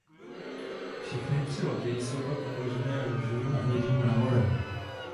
Všechny tři lodě jsou pak obložené růžovým a hnědým mramorem.